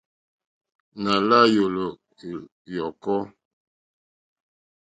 Nà la yòlò yɔ̀kɔ.